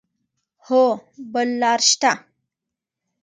هو، بل لار شته